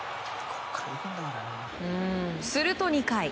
すると２回。